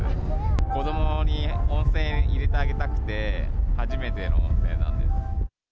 子どもに温泉入れてあげたくて、初めての温泉なんです。